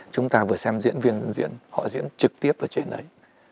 chúng ta vừa xem diễn viên diễn họ diễn trực tiếp ở trên đấy